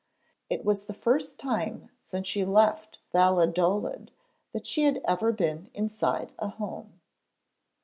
It was the first time since she left Valladolid that she had ever been inside a home.